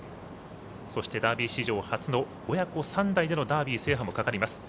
そして、ダービー史上初の親子３代でのダービー制覇もかかります。